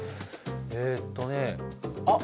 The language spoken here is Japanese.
えとねあっ